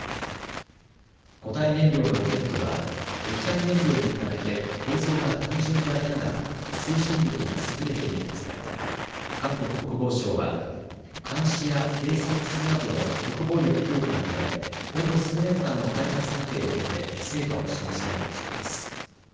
固体燃料のロケットは液体燃料に比べて構造が単純でありながら推進力が優れているとされ韓国国防省は監視や偵察などの国防力強化のため今後数年間の開発過程を経て成果を示したいとしています。